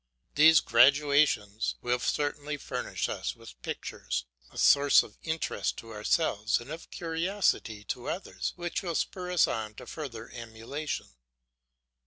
These graduations will certainly furnish us with pictures, a source of interest to ourselves and of curiosity to others, which will spur us on to further emulation.